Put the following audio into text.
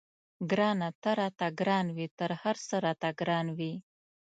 ګرانه ته راته ګران وې تر هر څه راته ګران وې.